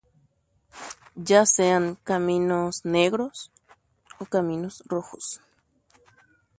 Tahaʼe tape hũ térã umi tape pytã.